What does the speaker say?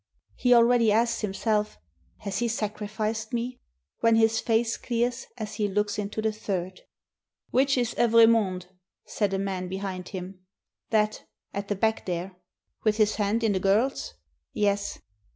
He already asks himself, "Has he sacrificed me? " when his face clears, as he looks into the third. "Which is Evremonde?" said a man behind him. "That. At the back there." "With his hand in the girl's?" "Yes."